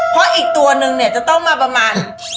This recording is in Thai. เพราะอีกตัวนึงเนี่ยจะต้องมาประมาณ